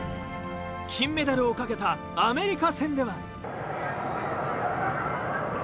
金メダルをかけたアメリカ戦では。